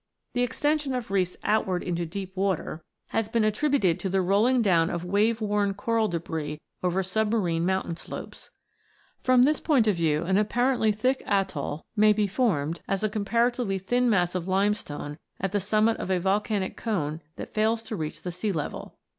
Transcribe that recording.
The extension of reefs outward into deep water has 26 ROCKS AND THEIR ORIGINS [CH. been attributed to the rolling down of wave worn coral debris over submarine mountain slopes. From this point of view, an apparently thick atoll may be formed as a comparatively thin mass of limestone at the summit of a volcanic cone that fails to reach the sea level.